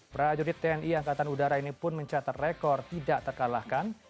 prajurit tni angkatan udara ini pun mencatat rekor tidak terkalahkan